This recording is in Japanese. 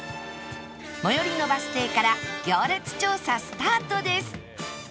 最寄りのバス停から行列調査スタートです